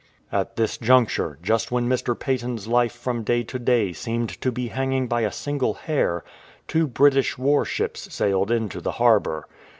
" At this juncture, just when Mr. Paton's life from day to day seemed to be hanging by a single hair, two British warships sailed into the harbour.